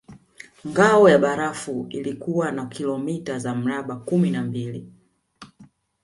Ngao ya barafu ilikuwa na kilomita za mraba kumi na mbili